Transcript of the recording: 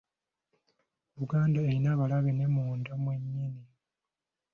Buganda eyina abalabe ne munda mwe nnyini.